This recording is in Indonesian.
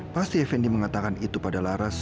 pasti fnd mengatakan itu pada laras